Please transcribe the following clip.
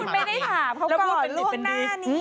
คุณไม่ได้ถามเขาก่อนเป็นลูกหน้านี่